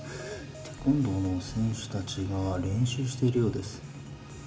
テコンドーの選手たちが練習しているようです